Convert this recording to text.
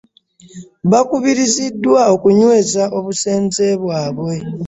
Bakubiriziddwa okunyweza obusenze bwabwe.